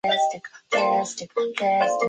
曲学大师吴梅也持此观点。